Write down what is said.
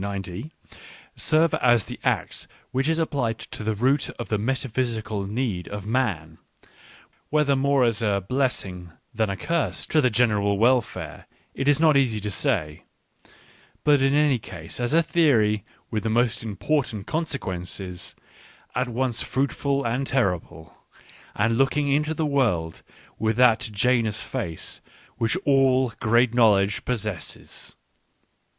— serve as the axe which is applied to the root of the ' metaphysical need ' of man, — whether more as a blessing than a curse to the general welfare it is not easy to say ; but in any case as a theory with the most important consequences, at once fruitful and terrible, and looking into the world with that Janus face which all great knowledge possesses."